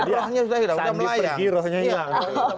rohnya sudah hilang